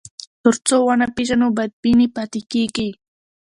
تر څو ونه پېژنو، بدبیني پاتې کېږي.